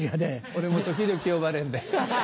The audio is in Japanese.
俺も時々呼ばれんだよ。